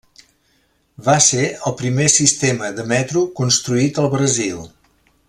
Va ser el primer sistema de metro construït al Brasil.